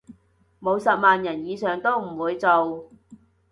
冇十萬人以上都唔會做